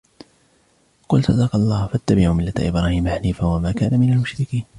قُلْ صَدَقَ اللَّهُ فَاتَّبِعُوا مِلَّةَ إِبْرَاهِيمَ حَنِيفًا وَمَا كَانَ مِنَ الْمُشْرِكِينَ